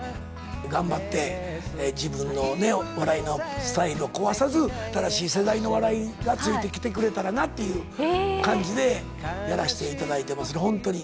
頑張って自分の笑いのスタイルを壊さず、新しい世代の笑いがついてきてくれたらなっていう感じでやらせていただいていますね、本当に。